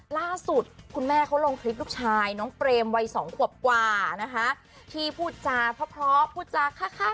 ล่าสุดคุณแม่เขาลงคลิปลูกชายน้องเบรมวัย๒ควบกว่าที่พูดจาพะพะพูดจาค๊ะค่า